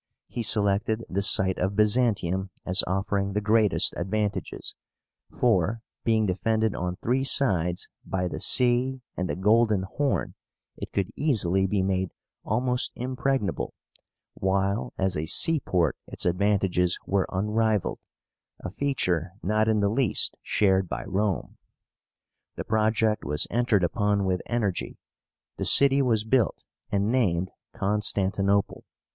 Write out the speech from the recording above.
He selected the site of BYZANTIUM as offering the greatest advantages; for, being defended on three sides by the sea and the Golden Horn, it could easily be made almost impregnable, while as a seaport its advantages were unrivalled, a feature not in the least shared by Rome. The project was entered upon with energy; the city was built, and named CONSTANTINOPLE.